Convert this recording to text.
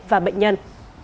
và bệnh nhân